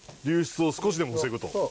流出を少しでも防ぐと。